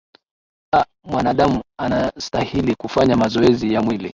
a mwanadamu anastahili kufanya mazoezi ya mwili